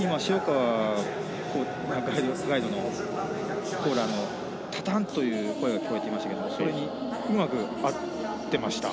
ガイドの塩川さんのタタンという声が聞こえてきましたがそれにうまく合っていました。